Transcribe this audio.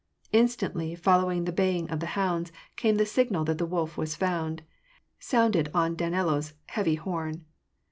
Instantly following the baying of the hounds came the signal that the wolf was found, sounded on Danilo's heavy horn.